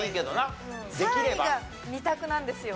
３位が２択なんですよ。